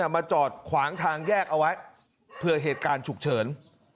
มาจอดขวางทางแยกเอาไว้เผื่อเหตุการณ์ฉุกเฉิน